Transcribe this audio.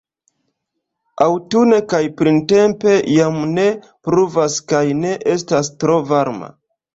Aŭtune kaj printempe jam ne pluvas kaj ne estas tro varma.